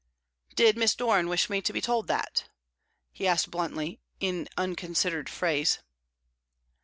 "Did Miss Doran wish me to be told that?" he asked, bluntly, in unconsidered phrase.